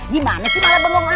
gimana sih malah bengong aja